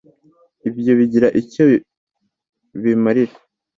byo bigira icyo bimarira